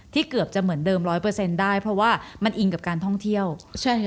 เกือบจะเหมือนเดิมร้อยเปอร์เซ็นต์ได้เพราะว่ามันอิงกับการท่องเที่ยวใช่ค่ะ